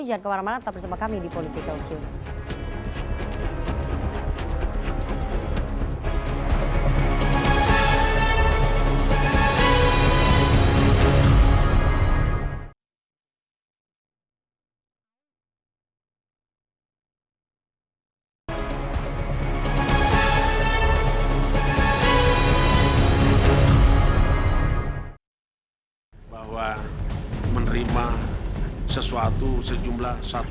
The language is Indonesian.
jangan kemana mana tetap bersama kami di politika usul